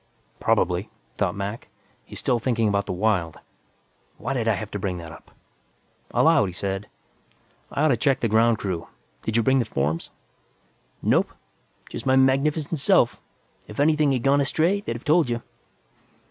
Probably, thought Mac, he's still thinking about the Wyld. Why did I have to bring that up? Aloud, he said, "I ought to check the ground crew. Did you bring the forms?" "Nope. Just my magnificent self. If anything had gone astray, they'd have told you."